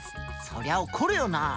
そりゃ怒るよな。